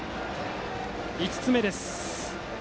５つ目です。